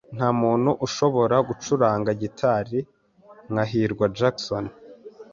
Nta muntu ushobora gucuranga gitari nka hirwa Jackson.